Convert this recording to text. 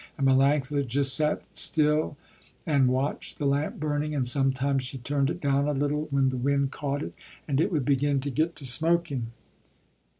And Melanctha just sat still and watched the lamp burning, and sometimes she turned it down a little, when the wind caught it and it would begin to get to smoking.